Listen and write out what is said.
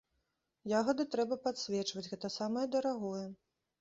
Ягады трэба падсвечваць, гэта самае дарагое.